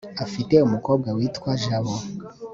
afite umukobwa witwa jabo